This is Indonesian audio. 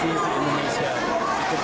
dengan budaya yang ada di ibu kota jakarta